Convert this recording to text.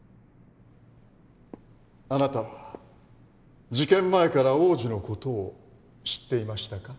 あなたは事件前から王子の事を知っていましたか？